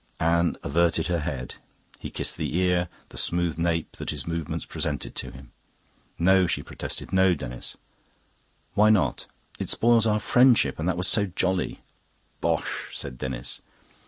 Anne averted her head; he kissed the ear, the smooth nape that this movement presented him. "No," she protested; "no, Denis." "Why not?" "It spoils our friendship, and that was so jolly." "Bosh!" said Denis.